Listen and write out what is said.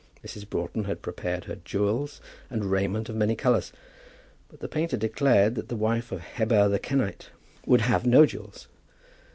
Mrs. Broughton had prepared her jewels and raiment of many colours, but the painter declared that the wife of Heber the Kenite would have no jewels.